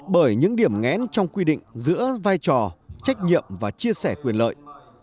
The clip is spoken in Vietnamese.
bởi những điểm ngẽn trong quy định giữa vai trò trách nhiệm và chia sẻ quyền lợi